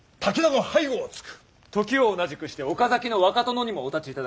時を同じくして岡崎の若殿にもお立ちいただく。